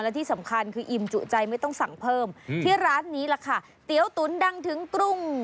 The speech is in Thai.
และที่สำคัญคืออิ่มจุใจไม่ต้องสั่งเพิ่มที่ร้านนี้ล่ะค่ะเตี๋ยวตุ๋นดังถึงกรุง